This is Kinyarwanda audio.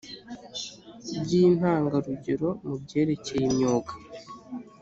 by intangarugero mu byerekeye imyuga